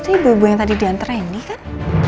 itu ibu ibu yang tadi diantara ini kan